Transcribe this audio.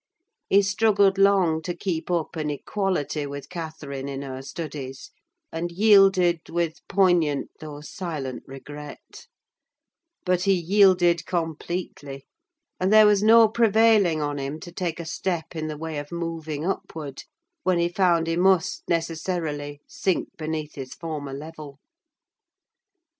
He struggled long to keep up an equality with Catherine in her studies, and yielded with poignant though silent regret: but he yielded completely; and there was no prevailing on him to take a step in the way of moving upward, when he found he must, necessarily, sink beneath his former level.